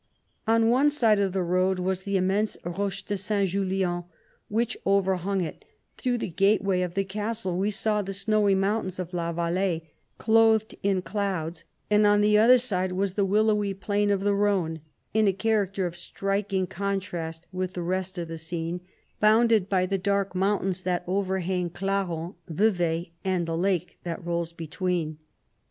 125 On one side of the road was the im mense Roche de St. Julien, which overhung it; through the gateway of the castle we saw the snowy mountains of La Valais, clothed in clouds, and on the other side was the willowy plain of the Rhone, in a character of striking contrast with the rest of the scene, bounded by the dark mountains that overhang Clarens, Vevai, and the lake that rolls between.